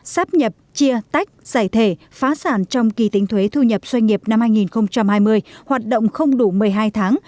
sắp nhập chia tách giải thể phá sản trong kỳ tính thuế thu nhập doanh nghiệp năm hai nghìn hai mươi hoạt động không đủ một mươi hai tháng